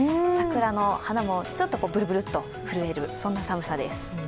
桜の花もちょっとブルブルッと震える、そんな寒さです。